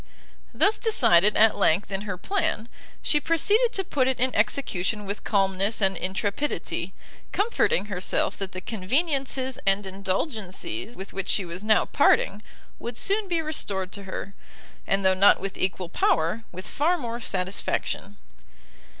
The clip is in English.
Thus decided, at length, in her plan, she proceeded to put it in execution with calmness and intrepidity; comforting herself that the conveniencies and indulgencies with which she was now parting, would soon be restored to her, and though not with equal power, with far more satisfaction.